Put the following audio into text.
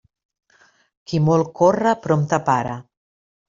Qui molt corre, prompte para.